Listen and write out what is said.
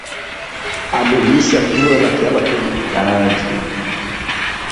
A milícia atua naquela comunidade.